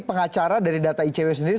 pengacara dari data icw sendiri